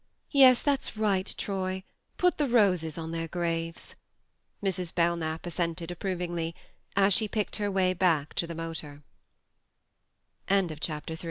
Yes, that's right, Troy ; put the roses on their graves," Mrs. Belknap assented approvingly, as she picked her way back to the moto